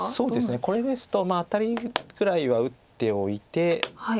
これですとまあアタリくらいは打っておいて。